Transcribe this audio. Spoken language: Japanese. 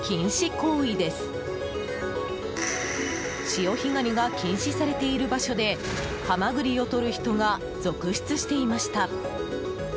潮干狩りが禁止されている場所でハマグリをとる人が続出していました。